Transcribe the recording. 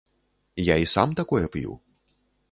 Я і сам такое п'ю.